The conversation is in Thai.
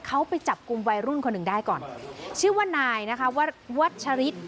เขาไปจับกลุ่มวัยรุ่นคนหนึ่งได้ก่อนชื่อว่านายนะคะวัชริต